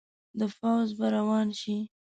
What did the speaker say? د پوځ به روان شي.